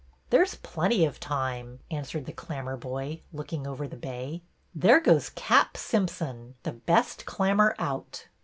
'''' There 's plenty of time," answered the Clam merboy, looking over the bay. '' There goes Cap. Simpson, the best clammer out."